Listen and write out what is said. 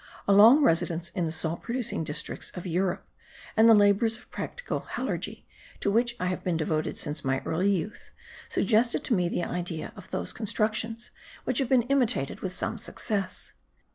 A long residence in the salt producing districts of Europe, and the labours of practical halurgy, to which I have been devoted since my early youth, suggested to me the idea of those constructions, which have been imitated with some success.